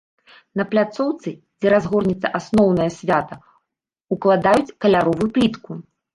На пляцоўцы, дзе разгорнецца асноўнае свята, укладаюць каляровую плітку.